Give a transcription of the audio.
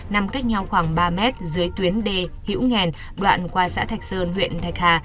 nằm cách nhau khoảng ba mét dưới tuyến d hiễu nghèn đoạn qua xã thạch sơn huyện thạch hà